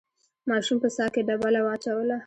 ماشوم په څاه کې ډبله واچوله.